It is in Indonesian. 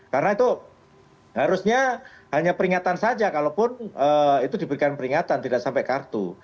karena itu harusnya hanya peringatan saja kalaupun itu diberikan peringatan tidak sampai kartu